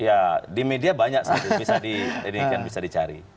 ya di media banyak satu bisa ditinggalkan bisa dicari